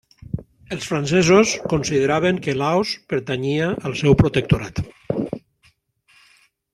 Els francesos consideraven que Laos pertanyia al seu protectorat.